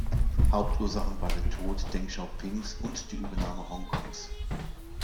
Hauptursachen waren der Tod Deng Xiaopings und die Übernahme Hong Kongs.